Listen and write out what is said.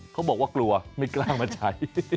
เขาบอกว่ากลัวไม่กล้ามาใช้